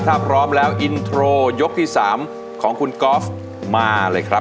ถ้าพร้อมแล้วอินโทรยกที่๓ของคุณก๊อฟมาเลยครับ